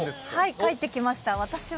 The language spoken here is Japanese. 書いてきました。